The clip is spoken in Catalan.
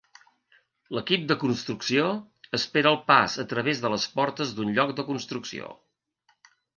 L'equip de construcció espera el pas a través de les portes d'un lloc de construcció.